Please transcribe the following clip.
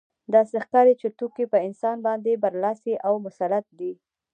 داسې ښکاري چې توکي په انسان باندې برلاسي او مسلط دي